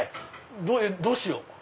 どうしよう？